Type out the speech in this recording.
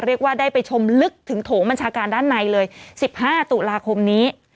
เรียกว่าได้ไปชมลึกถึงโถงบัญชาการด้านในเลย๑๕ตุลาคมนี้